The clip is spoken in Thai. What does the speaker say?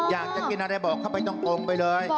อยากจะกินอะไรบอกเข้าไปตรงไปเลย